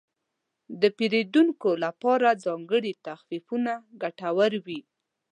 د پیرودونکو لپاره ځانګړي تخفیفونه ګټور وي.